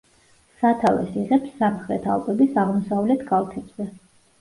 სათავეს იღებს სამხრეთ ალპების აღმოსავლეთ კალთებზე.